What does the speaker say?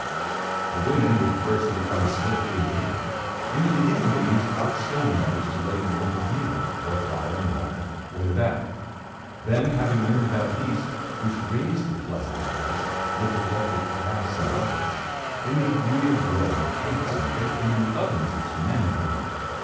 The women were the first to become skilful in baking. In the beginning they used hot stones on which to lay the lump of meal, or flour and water, or the batter. Then having learned about yeast, which "raised" the flour, that is, lifted it up, with gas and bubbles, they made real bread and cakes and baked them in the ovens which the men had made.